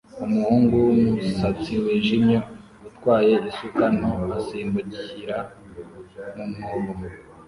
Umuhungu wumusatsi wijimye utwaye isuka nto asimbukira mu mwobo